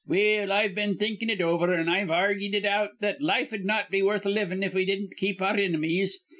"Well, I've been thinkin' it over, an' I've argied it out that life'd not be worth livin' if we didn't keep our inimies.